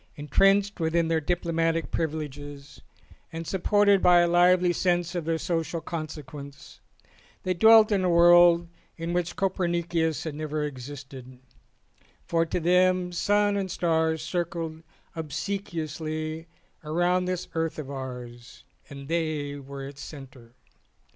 Entrenched within their diplomatic privileges and supported by a lively sense of their social consequence, they dwelt in a world in which Copernicus had never existed, for to them sun and stars circled obsequiously round this earth of ours, and they were its centre.